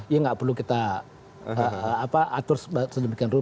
ya nggak perlu kita atur sedemikian rupa